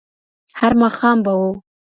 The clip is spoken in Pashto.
هر ماښام به وو